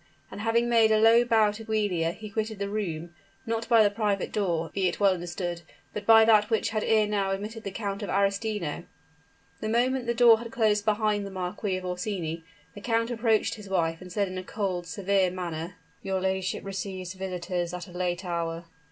And having made a low bow to Giulia, he quitted the room not by the private door, be it well understood, but by that which had ere now admitted the Count of Arestino. The moment the door had closed behind the Marquis of Orsini, the count approached his wife, and said in a cold, severe manner: "Your ladyship receives visitors at a late hour."